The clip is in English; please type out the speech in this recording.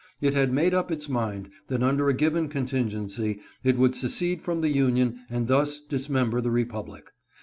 It had made up its mind that under a given con tingency it would secede from the Union and thus dismember the Republic.